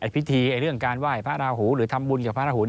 พิธีเรื่องการไหว้พระราหูหรือทำบุญกับพระราหู